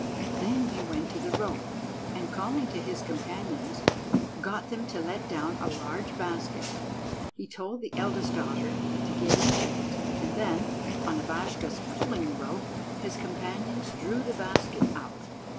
Then he went to the rope, and, calling to his companions, got them to let down a large basket. He told the eldest daughter to get into it, and then, on Ivashka's pulling the rope, his companions drew the basket up.